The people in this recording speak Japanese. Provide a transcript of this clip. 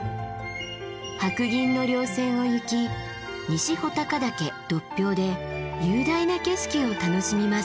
白銀の稜線を行き西穂高岳独標で雄大な景色を楽しみます。